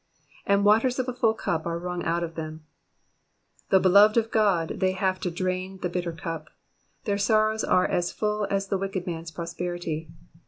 ^''And waters of a full cup are wrung out to them,'''' Though belovetj of God, they have to drain the bitter cup ; their sorrows are as full as the wicked man's prosperity.